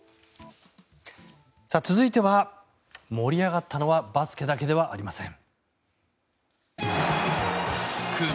続いては盛り上がったのはバスケだけではありません。